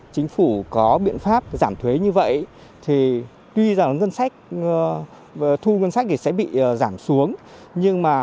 chính phủ có biện pháp giảm thuế như vậy thì tuy rằng thu ngân sách sẽ bị giảm xuống